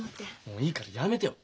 もういいからやめてよ。